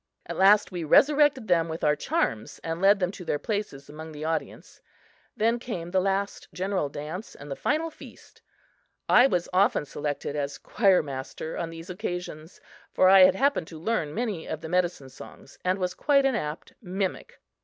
At last we resurrected them with our charms and led them to their places among the audience. Then came the last general dance and the final feast. I was often selected as choir master on these occasions, for I had happened to learn many of the medicine songs and was quite an apt mimic.